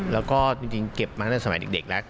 แล้วก็จริงเก็บมาตั้งแต่สมัยเด็กแล้ว